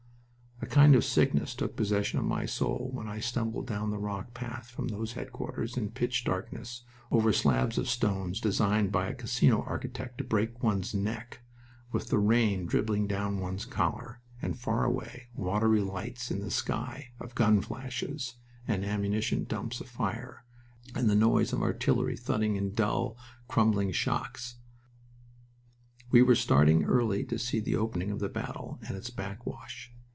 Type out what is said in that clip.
A kind of sickness took possession of my soul when I stumbled down the rock path from those headquarters in pitch darkness, over slabs of stones designed by a casino architect to break one's neck, with the rain dribbling down one's collar, and, far away, watery lights in the sky, of gun flashes and ammunition dumps afire, and the noise of artillery thudding in dull, crumbling shocks. We were starting early to see the opening of the battle and its backwash.